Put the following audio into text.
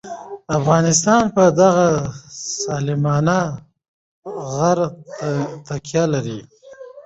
افغانستان په دغه سلیمان غر تکیه لري.